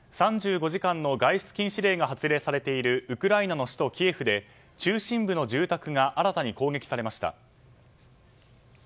３５時間の外出禁止令が発令されているウクライナの首都キエフで中心部の住宅が新たに攻撃されました。